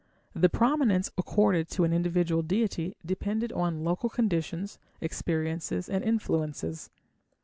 The prominence accorded to an individual deity depended on local conditions, experiences, and influences.